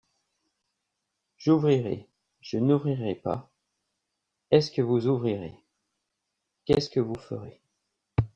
J'ouvrirai, je n'ouvrirai pas, est-ce que vous ouvrirez, qu'est-ce que vous ferez.